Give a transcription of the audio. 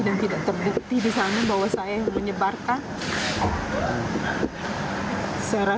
dan tidak terbukti di sana bahwa saya menyebabkan kejaksaan tinggi nusa tenggara barat